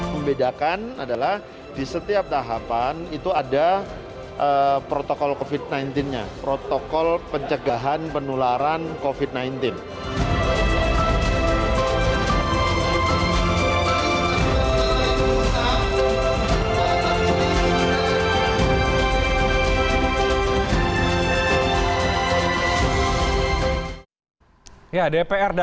pembedakan adalah di setiap tahapan itu ada protokol covid sembilan belas nya protokol pencegahan penularan covid sembilan belas